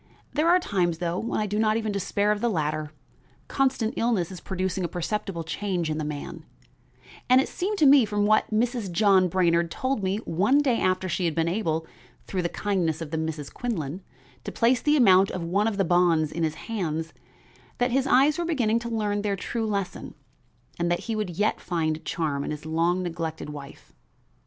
There are times, though, when I do not even despair of the latter; constant illness is producing a perceptible change in the man, and it seemed to me, from what Mrs. John Brainard told me one day after she had been able, through the kindness of the Misses Quinlan, to place the amount of one of the bonds in his hands, that his eyes were beginning to learn their true lesson and that he would yet find charm in his long neglected wife.